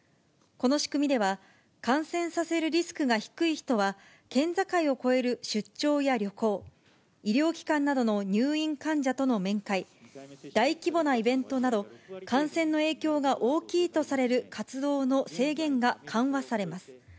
この仕組みでは、感染させるリスクが低い人は、県境を越える出張や旅行、医療機関などの入院患者との面会、大規模なイベントなど、感染の影響が大きいとされる活動の制限が緩和されます。